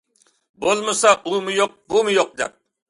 بولمىسا ئۇمۇ يوق، بۇمۇ يوق دەپ.